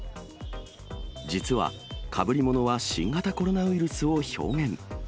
実は、かぶりものは新型コロナウイルスを表現。